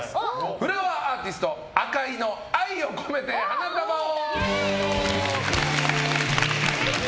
フラワーアーティスト赤井の愛をこめて花束を！